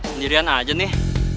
sendirian aja nih